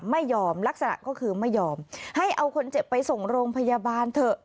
ไม่ยอมลักษณะก็คือไม่ยอมให้เอาคนเจ็บไปส่งโรงพยาบาลเถอะ